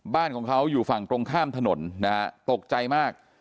บ้านของเขาอยู่ฝั่งตรงข้ามถนนนะฮะตกใจมาก